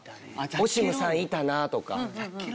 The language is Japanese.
オシムさんいたなとか。